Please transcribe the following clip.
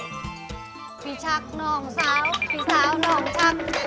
พี่ชักน้องสาวพี่สาวน้องชัก